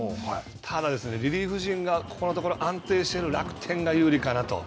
ただ、リリーフ陣が、ここのところ安定している楽天が有利かなと。